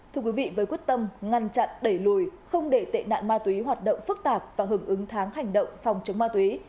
thưa quý vị với quyết tâm ngăn chặn đẩy lùi không để tệ nạn ma túy hoạt động phức tạp và hưởng ứng tháng hành động phòng chống ma túy